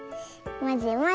まぜまぜ。